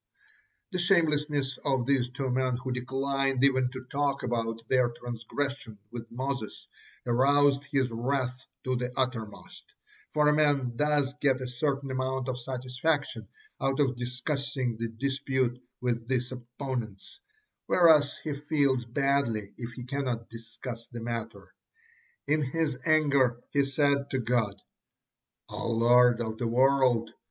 The shamelessness of these two men, who declined even to talk about their transgression with Moses, aroused his wrath to the uttermost, for a man does get a certain amount of satisfaction out of discussing the dispute with this opponents, whereas he feels badly if he cannot discuss the matter. In his anger he said to God: "O Lord of the world!